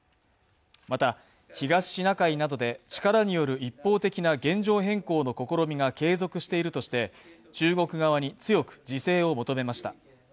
また、東シナ海などで力による一方的な現状変更の試みが継続しているとして中国側に強く自制を求めました。